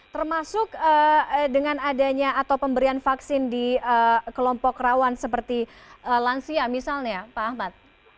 termasuk dengan adanya atau pemberian vaksin di kelompok rawan seperti lansia misalnya pak ahmad